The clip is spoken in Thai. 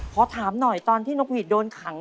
ขอถามหน่อยตอนที่นกหวีดโดนขัง